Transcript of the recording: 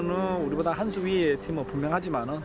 tapi kita juga sudah cukup berhasil menang